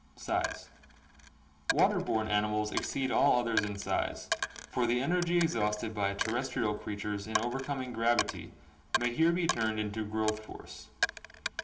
Size. — Water borne animals exceed all others in size, for the energy exhausted by terrestrial creatures in overcoming gravity may here be turned into growth force.